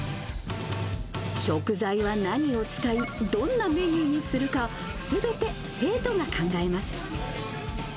食材は何を使い、どんなメニューにするか、すべて生徒が考えます。